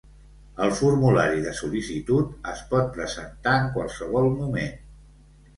El formulari de sol·licitud es pot presentar en qualsevol moment.